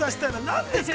何ですか。